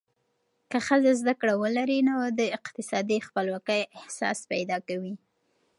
که ښځه زده کړه ولري، نو د اقتصادي خپلواکۍ احساس پیدا کوي.